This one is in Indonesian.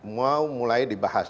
mau mulai dibahas